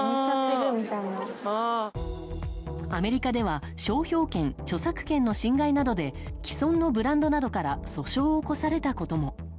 アメリカでは商標権・著作権の侵害などで既存のブランドなどから訴訟を起こされたことも。